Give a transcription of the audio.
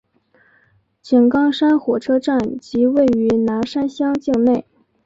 井冈山火车站即位于拿山乡境内。